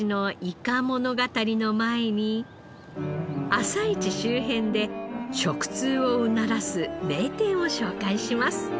朝市周辺で食通をうならす名店を紹介します。